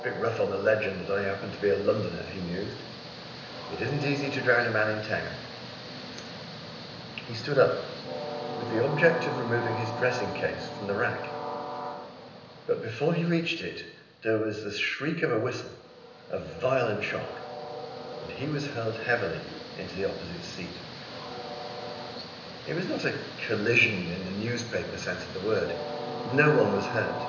"Bit rough on the legend that I happened to be a Londoner!" he mused. "It isn't easy to drown a man in town!" He stood up with the object of removing his dressing case from the rack. But before he reached it there was the shriek of a whistle, a violent shock, and he was hurled heavily into the opposite seat. It was not a collision in the newspaper sense of the word. No one was hurt.